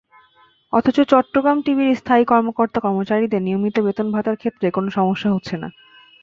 অথচ চট্টগ্রাম টিভির স্থায়ী কর্মকর্তা-কর্মচারীদের নিয়মিত বেতন-ভাতার ক্ষেত্রে কোনো সমস্যা হচ্ছে না।